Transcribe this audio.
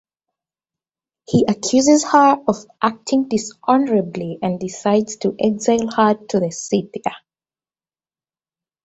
He accuses her of acting dishonorably and decides to exile her to the Scythia.